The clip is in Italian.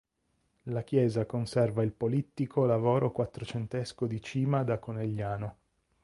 La chiesa conserva il polittico lavoro quattrocentesco di Cima da Conegliano.